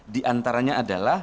di antaranya adalah